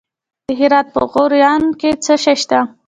د هرات په غوریان کې څه شی شته؟